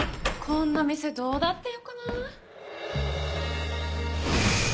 こんな店どうだってよくない？